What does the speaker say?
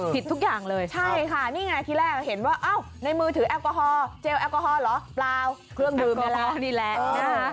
ผิดทุกอย่างเลยใช่ค่ะนี่ไงที่แรกเห็นว่าอ้าวในมือถือแอลกอฮอลเจลแอลกอฮอลเหรอเปล่าเครื่องดื่มนี่แหละนะคะ